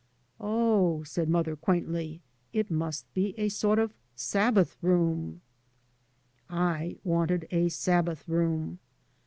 " Oh," said mother quaintly, " it must be a sort of Sabbath room !" I wanted a Sabbath room.